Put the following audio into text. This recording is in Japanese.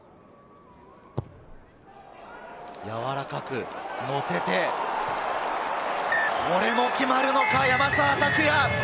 やわらかく乗せて、これも決まるのか、山沢拓也！